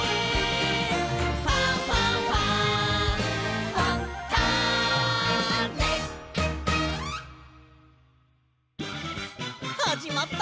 「ファンファンファン」はじまった！